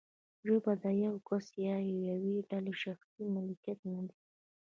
ژبه د یو کس یا یوې ډلې شخصي ملکیت نه دی.